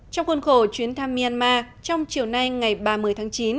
trong khuôn khổ chuyến thăm myanmar trong chiều nay ngày ba mươi tháng chín